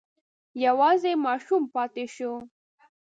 یوازې ماشوم پاتې شو.